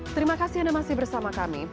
terima kasih anda masih bersama kami